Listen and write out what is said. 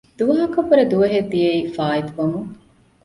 ދުވަހަކަށްވުރެ ދުވަހެއް ދިޔައީ ފާއިތުވަމުން